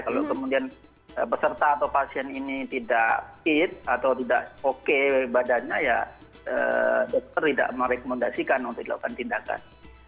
kalau kemudian peserta atau pasien ini tidak fit atau tidak oke badannya ya dokter tidak merekomendasikan untuk dilakukan tindakan